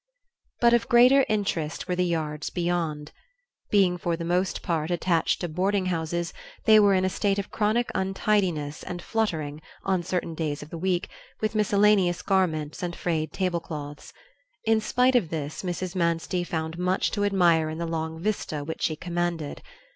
But of greater interest were the yards beyond. Being for the most part attached to boarding houses they were in a state of chronic untidiness and fluttering, on certain days of the week, with miscellaneous garments and frayed table cloths. In spite of this Mrs. Manstey found much to admire in the long vista which she commanded.